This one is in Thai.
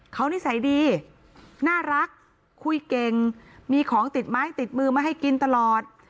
เขานิสัยดีน่ารักคุยเก่งมีของติดไม้ติดมือมาให้กินตลอด